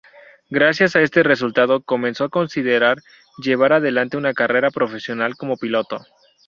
Gracias a este resultado, comenzó a considerar llevar adelante una carrera profesional como piloto.